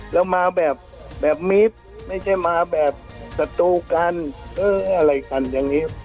แล้วมาแบบมิบไม่ใช่มาแบบสตูกันเอออะไรกันอย่างนี้